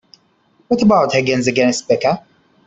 What about Higgins against Becca?